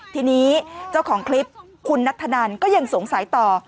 ทีนี้เจ้าของคลิปคุณนัทธนันก็ยังสงสัยต่อ